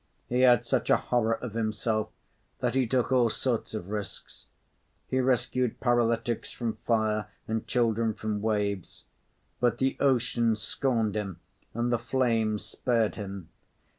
He had such a horror of himself that he took all sorts of risks. He rescued paralytics from fire and children from waves. But the ocean scorned him and the flames spared him.